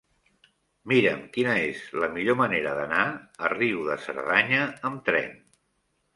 Mira'm quina és la millor manera d'anar a Riu de Cerdanya amb tren.